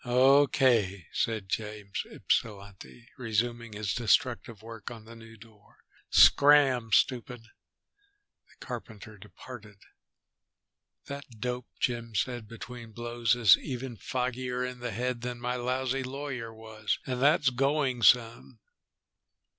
"Okay," said James Ypsilanti, resuming his destructive work on the new door. "Scram, stupid." The carpenter departed. "That dope," Jim said between blows, "is even foggier in the head than my lousy lawyer was, and that's going some."